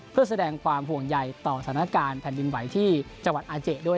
เพื่อแสดงความห่วงใยต่อสถานการณ์แผ่นดินไหวที่จังหวัดอาเจด้วย